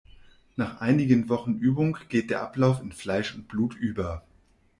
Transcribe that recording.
Nach einigen Wochen Übung geht der Ablauf in Fleisch und Blut über.